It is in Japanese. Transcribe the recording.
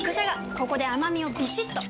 ここで甘みをビシッと！